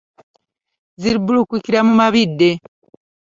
Ziribbulukukira mu mabidde.